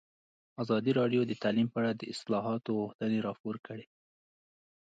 ازادي راډیو د تعلیم په اړه د اصلاحاتو غوښتنې راپور کړې.